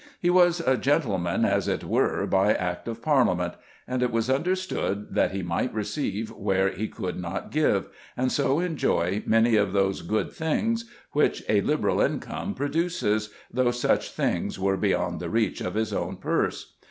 He was a gentleman as it were by Act of Parliament, and it was understood that he might receive where he could not give, and so enjoy many of those good things which a liberal income produces, though such things were beyond the reach of his own purse.